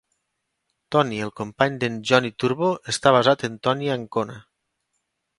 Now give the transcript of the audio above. Tony, el company de"n Johnny Turbo, està basat en Tony Ancona.